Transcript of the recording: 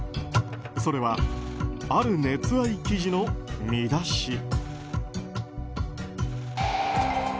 それはある熱愛記事の見出し。